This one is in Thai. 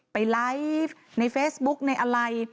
ไปไลฟ์ในเฟซบุ๊กในอะไร